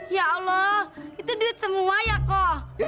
ya allah itu duit semua ya kok